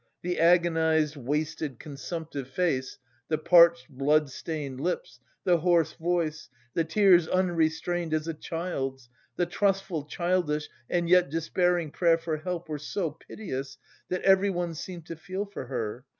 The agonised, wasted, consumptive face, the parched blood stained lips, the hoarse voice, the tears unrestrained as a child's, the trustful, childish and yet despairing prayer for help were so piteous that everyone seemed to feel for her.